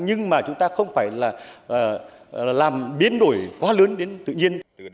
nhưng mà chúng ta không phải là làm biến đổi quá lớn đến tự nhiên